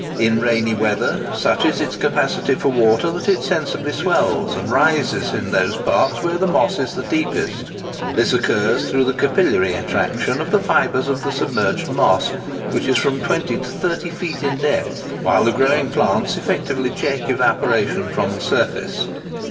In rainy weather, such is its capacity for water that it sensibly swells, and rises in those parts where the moss is the deepest. This occurs through the capillary attraction of the fibres of the submerged moss, which is from 20 to 30 feet in depth, whilst the growing plants effectually check evaporation from the surface.